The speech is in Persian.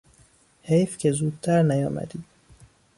حیف که زودتر نیامدی!